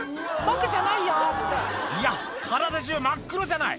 いや、体中、真っ黒じゃない！